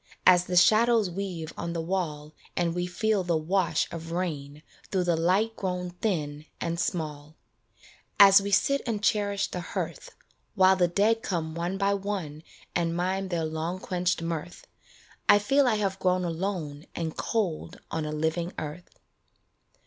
As the shadows weave on the wall, And we feel the wash of rain Through the light grown thin and small 47 LOVE IN AGE As we sit and cherish the hearth, While the dead come one by one And mime their long quenched mirth, I feel I have grown alone And cold on a living earth.